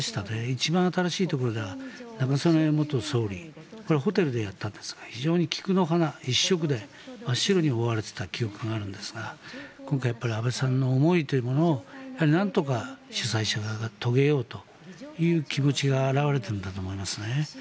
一番新しいところでは中曽根元総理ホテルでやったんですが菊の花一色で真っ白に覆われていた記憶があるんですが今回は安倍さんの思いというものをなんとか主催者側が遂げようという気持ちが表れているんだと思いますね。